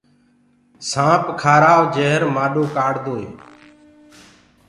سآنٚپ کآرآئو جهر مآڏو ڪآڙدوئي